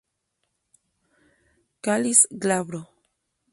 Cáliz glabro.